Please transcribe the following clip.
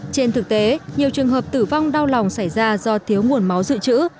trên thực tế nhiều trường hợp tử vong đau lòng xảy ra do thiếu nguồn máu dự trữ